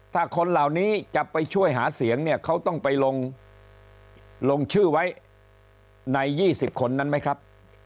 ถ้าคนเหล่านี้จะไปช่วยหาเสียงเนี่ยเขาต้องไปลงชื่อไว้ใน๒๐คนนั้นไหมครับ